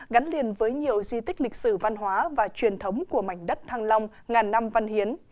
gắn liền với nhiều di tích lịch sử văn hóa và truyền thống của mảnh đất thăng long ngàn năm văn hiến